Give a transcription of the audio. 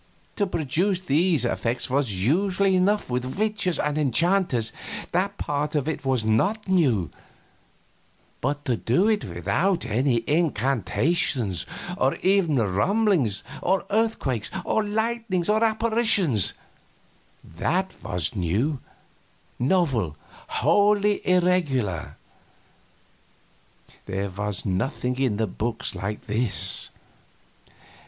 To produce these effects was usual enough with witches and enchanters that part of it was not new; but to do it without any incantations, or even any rumblings or earthquakes or lightnings or apparitions that was new, novel, wholly irregular. There was nothing in the books like this.